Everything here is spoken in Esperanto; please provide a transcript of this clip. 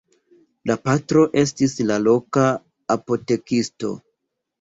La patro estis la loka apotekisto.